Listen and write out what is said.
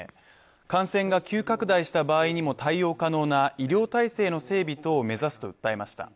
感染が急拡大した場合にも対応可能な医療体制の整備等を目指すと訴えました。